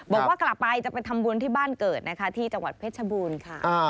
บอกว่ากลับไปจะไปทำบุญที่บ้านเกิดนะคะที่จังหวัดเพชรบูรณ์ค่ะ